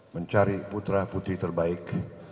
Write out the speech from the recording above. mencari putra putri terbaik